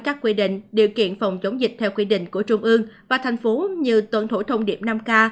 các quy định điều kiện phòng chống dịch theo quy định của trung ương và thành phố như tuân thủ thông điệp năm k